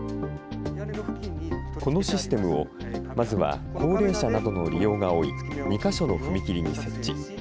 このシステムを、まずは高齢者などの利用が多い、２か所の踏切に設置。